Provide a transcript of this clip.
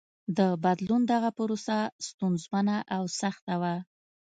د بدلون دغه پروسه ستونزمنه او سخته وه.